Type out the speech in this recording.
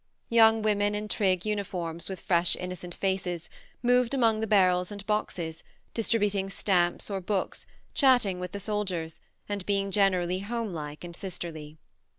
Young women in trig uniforms, with fresh innocent faces, moved among the barrels and boxes, distributing stamps or books, chatting with the soldiers, and being generally homelike and sisterly.